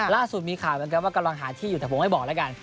ล่าสุดมีข่าวเหมือนกันว่ากำลังหาที่อยู่แต่ผมไม่บอกแล้วกัน